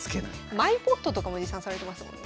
マイポットとかも持参されてますもんね。